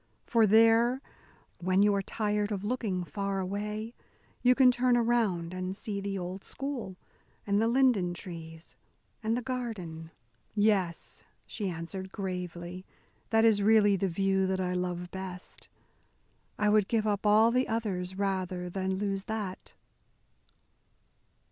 For there, when you are tired of looking far away, you can turn around and see the old school, and the linden trees, and the garden." "Yes," she answered gravely, "that is really the view that I love best. I would give up all the others rather than lose that."